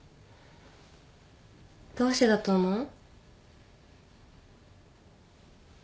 どうしてだと思う？